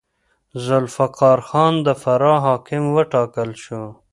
ذوالفقار خان د فراه حاکم وټاکل شو.